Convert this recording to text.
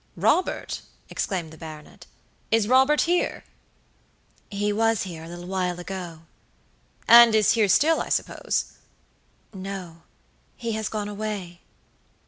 "Robert!" exclaimed the baronet; "is Robert here?" "He was here a little while ago." "And is here still, I suppose?" "No, he has gone away."